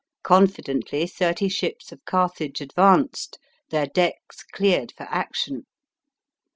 Confidently thirty ships of Carthage advanced, their decks cleared for action.